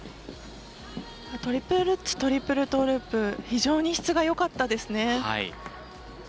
トリプルルッツトリプルトーループ非常に質がよかったですね。